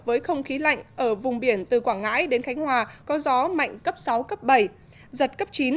với không khí lạnh ở vùng biển từ quảng ngãi đến khánh hòa có gió mạnh cấp sáu cấp bảy giật cấp chín